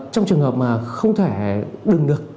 trong trường hợp mà không thể đừng được